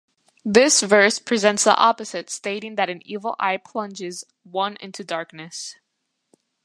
This verse presents the opposite stating that an evil eye plunges one into darkness.